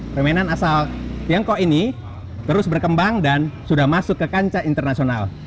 permainan asal tiongkok ini terus berkembang dan sudah masuk ke kancah internasional